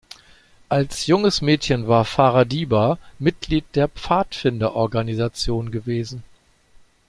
Als junges Mädchen war Farah Diba Mitglied der Pfadfinderorganisation gewesen.